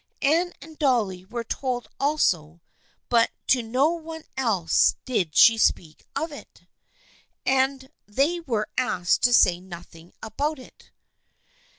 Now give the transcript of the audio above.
Anne and Dolly were told also but to no one else did she speak of it, and they were asked to say nothing about it.